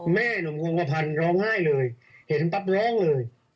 หนุ่มคงกระพันธ์ร้องไห้เลยเห็นปั๊บร้องเลย